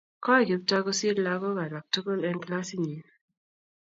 kooi Kiptoo kosiir lakoik alak tugul eng kilasitnyin